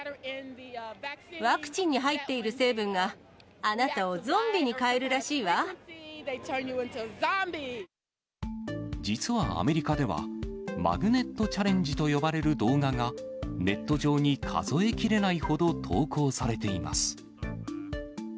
ワクチンに入っている成分が、実はアメリカでは、マグネットチャレンジと呼ばれる動画が、ネット上に数え切れないほど投稿されています。